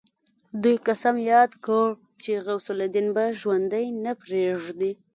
دوی قسم ياد کړ چې غوث الدين به ژوندی نه پريږدي.